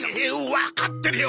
わかってるよ！